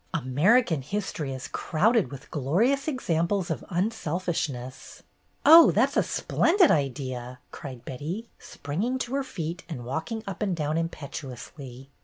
American history is crowded with glorious examples of unselfishness.'' "Oh, that 's a splendid idea !" cried Betty, springing to her feet and walking up and down impetuously.